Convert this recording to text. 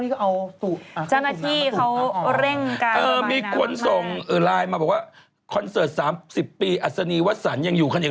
คุณกองเฮียบอกว่าพี่โต๊ะเว่าสันเหรอฮะไม่ใช่